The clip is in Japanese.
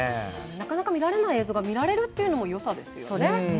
なかなか見られない映像が見られるというのもよさですよね。